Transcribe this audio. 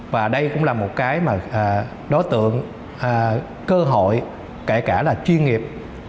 và đây cũng là một cái mà đối tượng cơ hội kể cả là chuyên nghiệp